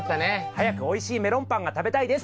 早くおいしいメロンパンが食べたいです。